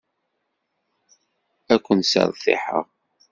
Ad ken-sseṛtiḥeɣ.